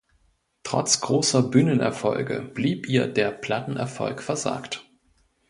Trotz großer Bühnenerfolge blieb ihr der Plattenerfolg versagt.